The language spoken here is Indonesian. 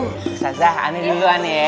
ustadz zah aneh duluan ya